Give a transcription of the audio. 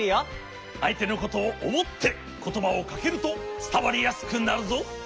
あいてのことをおもってことばをかけるとつたわりやすくなるぞ！